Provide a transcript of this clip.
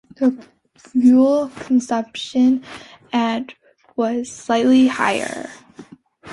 The fuel consumption at was slightly higher.